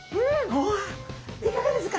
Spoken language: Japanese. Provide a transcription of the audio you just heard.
うわいかがですか？